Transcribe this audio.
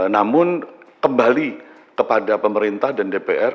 namun kembali kepada pemerintah dan dpr